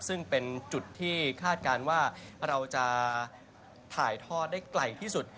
ซึ่งเป็นจุดที่คาดการณ์ว่าเราจะถ่ายทอดได้ไกลที่สุด